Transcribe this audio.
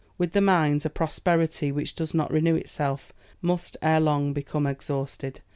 With the mines a prosperity which does not renew itself, must ere long become exhausted.